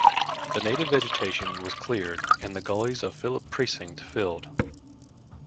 The native vegetation was cleared and the gullies of Phillip Precinct filled.